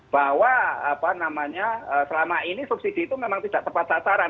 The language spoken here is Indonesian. bahwa selama ini subsidi itu memang tidak tepat sasaran